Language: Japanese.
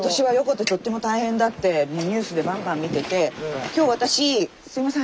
とっても大変だってニュースでバンバン見てて今日私すいません。